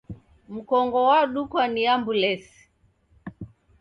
Mkongo wadukwa ni ambulesi